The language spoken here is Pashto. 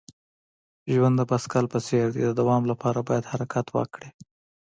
ژوند د بایسکل په څیر دی. د دوام لپاره باید حرکت وکړې.